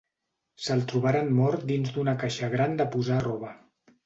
Se’l trobaren mort dins d'una caixa gran de posar roba.